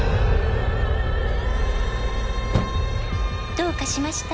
「どうかしました？